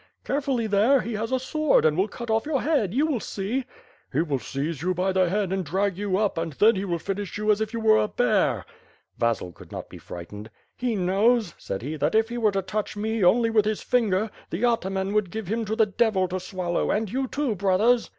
"Carefully there; he has a sword and will cut oflE your head. You will see." "He will seize you by the head and drag you up and then he will finish you as if you were a bear." Vasil could not be frightened. "He knows," said he, "that if he were to touch me only with his finger, the ataman would give him to the devil to swallow, and you, too, brothers."